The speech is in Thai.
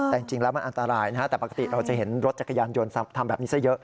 แต่จริงแล้วมันอันตรายนะฮะแต่ปกติเราจะเห็นรถจักรยานยนต์ทำแบบนี้ซะเยอะ